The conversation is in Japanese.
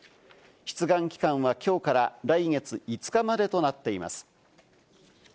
出願期間はきょうから来月５日までとなっています。